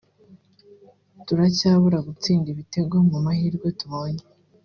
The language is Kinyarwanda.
turacyabura gutsinda ibitego mu mahirwe tubonye